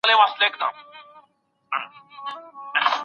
چي پیدا کړي لږ ثروت بس هوایې سي